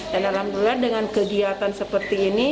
dan alhamdulillah dengan kegiatan seperti ini